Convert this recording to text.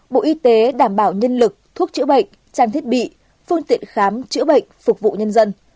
bộ y tế đảm bảo nhân lực thuốc chữa bệnh trang thiết bị phương tiện khám chữa bệnh phục vụ nhân dân